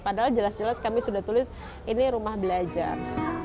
padahal jelas jelas kami sudah tulis ini rumah belajar